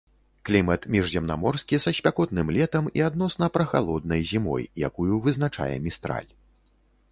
Клімат міжземнаморскі са спякотным летам і адносна прахалоднай зімой, якую вызначае містраль.